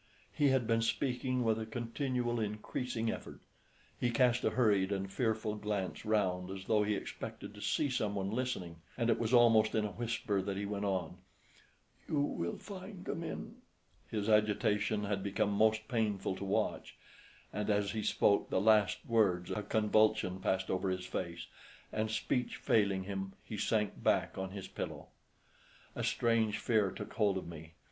He had been speaking with a continual increasing effort; he cast a hurried and fearful glance round as though he expected to see someone listening, and it was almost in a whisper that he went on, "You will find them in " His agitation had become most painful to watch, and as he spoke the last words a convulsion passed over his face, and speech failing him, he sank back on his pillow. A strange fear took hold of me.